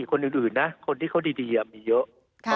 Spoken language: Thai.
คนอื่นนะคนที่เขาดีมีเยอะ